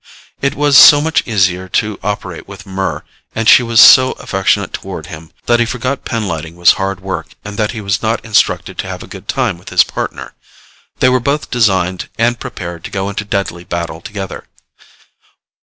It was so much easier to operate with Murr and she was so affectionate toward him that he forgot pinlighting was hard work and that he was not instructed to have a good time with his Partner. They were both designed and prepared to go into deadly battle together.